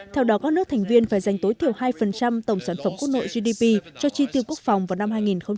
theo đó các nước thành viên phải giành tối thiểu hai tổng sản phẩm quốc nội gdp cho tri tiêu quốc phòng vào năm hai nghìn hai mươi bốn